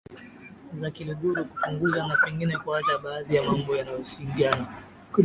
tawala nyingi za Jadi za kiluguru kupunguza na pengine kuacha baadhi ya mambo yanayosigana